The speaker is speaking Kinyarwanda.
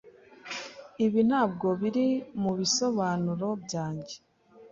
Ibi ntabwo biri mubisobanuro byanjye.